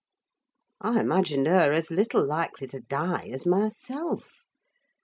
I imagined her as little likely to die as myself.